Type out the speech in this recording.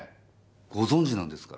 ご存じなんですから。